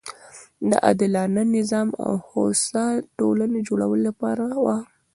دا د عادلانه نظام او هوسا ټولنې جوړولو لپاره وه.